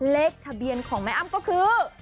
เลขทะเบียนของแม่อ้ำก็คือ